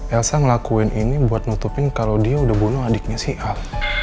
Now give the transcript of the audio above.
elsa ngelakuin ini buat nutupin kalau dia udah bunuh adiknya si a